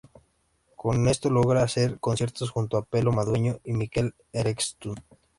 Con esto logra hacer conciertos junto a Pelo Madueño y Mikel Erentxun.